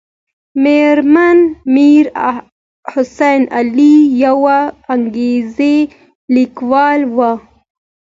مېرمن میر حسن علي یوه انګریزۍ لیکواله وه.